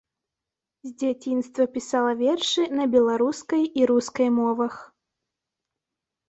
З дзяцінства пісала вершы на беларускай і рускай мовах.